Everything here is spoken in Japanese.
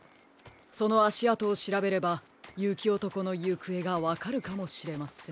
そのあしあとをしらべればゆきおとこのゆくえがわかるかもしれません。